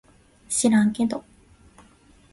しらんけど